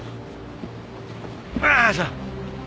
よいしょ。